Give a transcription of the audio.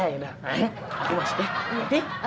nah aku masuk ya